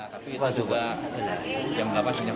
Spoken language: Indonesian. tapi itu pas juga jam delapan tiga puluh jam sepuluh lancar